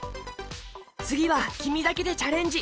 つぎはきみだけでチャレンジ！